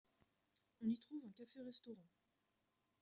On y trouve un café restaurant.